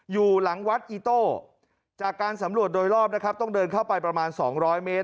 อยู่หลังวัดอีโต้จากการสำรวจโดยรอบนะครับต้องเดินเข้าไปประมาณ๒๐๐เมตร